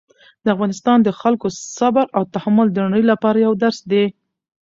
د افغانستان د خلکو صبر او تحمل د نړۍ لپاره یو درس دی.